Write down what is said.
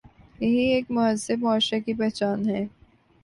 یہی ایک مہذب معاشرے کی پہچان ہے۔